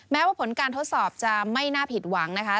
แม้ว่าผลการทดสอบจะไม่น่าผิดหวังนะคะ